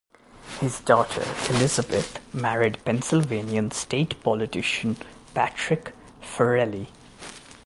His daughter Elizabeth married Pennsylvania State politician Patrick Farrelly.